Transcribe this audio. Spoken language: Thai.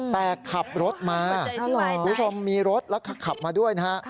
แต่ขับรถมาคุณผู้ชมมีรถแล้วก็ขับมาด้วยนะฮะ